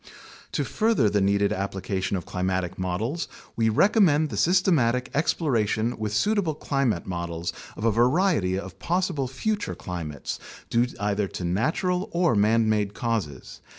To further the needed application of climatic models, we recommend the systematic exploration with suitable climate models of a variety of possible future climates, due either to natural or man made causes.